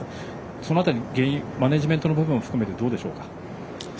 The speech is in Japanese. その辺り、マネージメントの部分を含めて、どうでしょうか？